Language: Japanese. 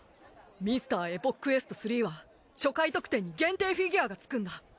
『ミスターエポックエスト３』は初回特典に限定フィギュアが付くんだ。